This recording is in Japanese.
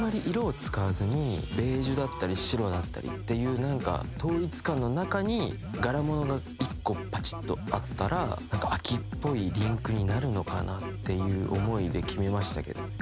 ベージュだったり白だったりっていう何か統一感の中に柄物が１個パチッとあったら秋っぽいリンクになるのかなっていう思いで決めましたけど